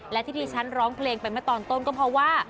และที่ที่ฉันร้องเพลงไปเมื่อตอนต้นก็เพราะว่า